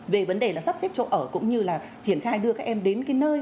về vấn đề là sắp xếp chỗ ở cũng như là triển khai đưa các em đến cái nơi